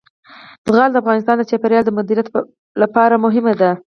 زغال د افغانستان د چاپیریال د مدیریت لپاره مهم دي.